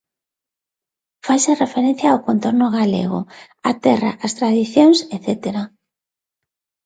Faise referencia ao contorno galego, á terra, ás tradicións etcétera.